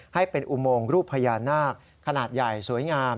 ให้เป็นอุโมงรูปพญานาคขนาดใหญ่สวยงาม